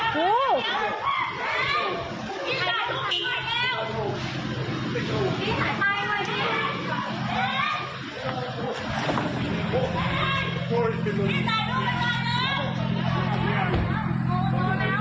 ป้อมตำรวจอยู่ตรงนี้นี่ขอดหนีแล้ว